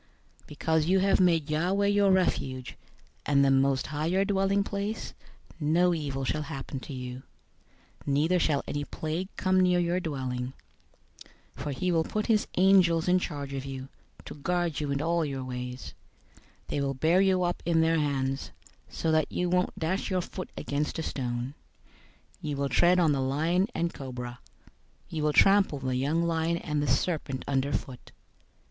091:009 Because you have made Yahweh your refuge, and the Most High your dwelling place, 091:010 no evil shall happen to you, neither shall any plague come near your dwelling. 091:011 For he will give his angels charge over you, to guard you in all your ways. 091:012 They will bear you up in their hands, so that you won't dash your foot against a stone. 091:013 You will tread on the lion and cobra. You will trample the young lion and the serpent underfoot.